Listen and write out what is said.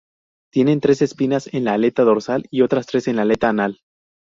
Tienen tres espinas en la aleta dorsal y otras tres en la aleta anal.